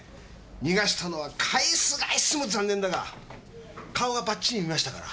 逃がしたのは返す返すも残念だが顔はバッチリ見ましたから。